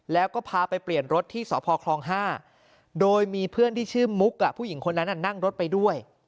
แล้วก็พาไปเปลี่ยนรถที่สพคล๕โดยมีเพื่อนที่ชื่อมุกผู้หญิงคนนั้นนั่งรถไปด้วย